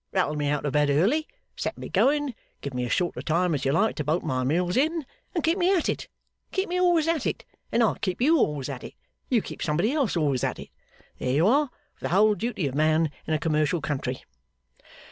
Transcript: Rattle me out of bed early, set me going, give me as short a time as you like to bolt my meals in, and keep me at it. Keep me always at it, and I'll keep you always at it, you keep somebody else always at it. There you are with the Whole Duty of Man in a commercial country.